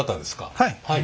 はい。